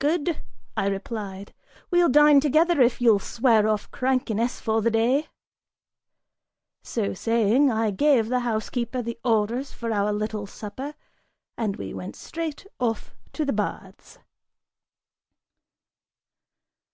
"Good," I replied, "we'll dine together if you'll swear off crankiness for the day." (So saying,) I gave the housekeeper the orders for our little supper (and we went straight off to the baths.)